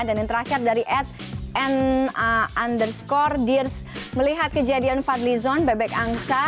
dan yang terakhir dari edn underscore dears melihat kejadian fadli zon bebek angsa